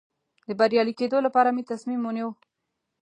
د بریالي کېدو لپاره مې تصمیم ونیو.